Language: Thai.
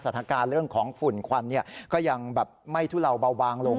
สถานการณ์เรื่องของฝุ่นควันก็ยังแบบไม่ทุเลาเบาบางลง